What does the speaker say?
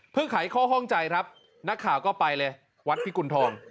เพื่อไขข้อข้องใจครับนักข่าวก็ไปเลยวัดพิกุณฑอง